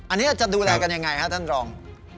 อันนี้จะดูแลกันยังไงครับท่านรอง